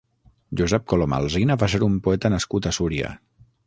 Josep Colom Alsina va ser un poeta nascut a Súria.